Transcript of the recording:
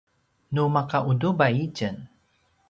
nu maka utubay itjen